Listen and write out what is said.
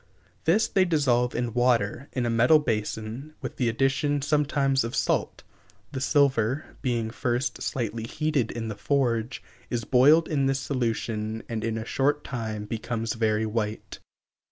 This they dissolve in water, in a metal basin, with the addition, sometimes, of salt. The silver, being first slightly heated in the forge, is boiled in this solution and in a short time becomes very white.